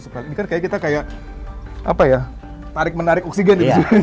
ini kan kayak kita kayak tarik menarik oksigen disini